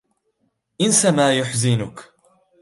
انس ما يحزنك.